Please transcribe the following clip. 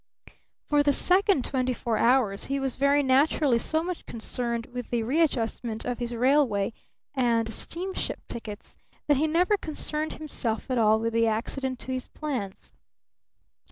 For the second twenty four hours he was very naturally so much concerned with the readjustment of his railway and steamship tickets that he never concerned himself at all with the accident to his plans.